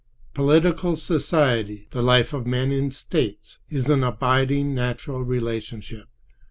Political society, the life of men in states, is an abiding natural relationship.